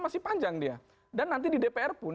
masih panjang dia dan nanti di dpr pun